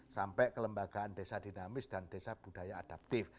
sampai kelembagaan desa dinamis dan desa budaya adaptif